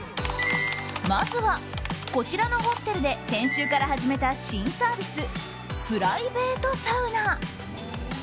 まずは、こちらのホステルで先週から始めた新サービスプライベートサウナ。